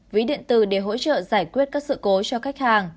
ví điện tử để hỗ trợ giải quyết các sự cố cho khách hàng